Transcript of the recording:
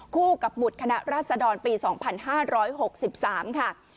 คู่กับหมุดคณะราชดรปี๒๕๖๓ค่ะ